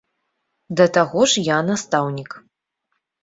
Да таго ж я настаўнік.